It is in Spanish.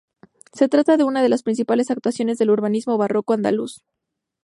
Se trata de una de las principales actuaciones del urbanismo barroco andaluz.